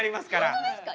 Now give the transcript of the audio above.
本当ですか？